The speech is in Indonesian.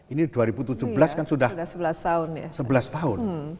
ini dua ribu tujuh belas kan sudah sebelas tahun